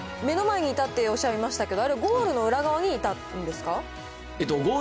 槙野選手、目の前にいたっておっしゃいましたけど、あれ、ゴールの裏側にいたんですか？